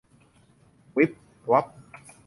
วิบวับ